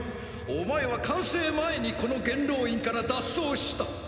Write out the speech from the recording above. お前は完成前にこの元老院から脱走した。